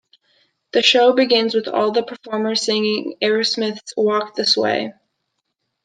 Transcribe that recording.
The show ended with all of the performers singing Aerosmith's "Walk This Way".